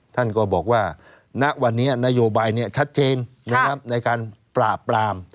ท่านก็บอกว่าณวันนี้นโยบายชัดเจนในการปราบปราม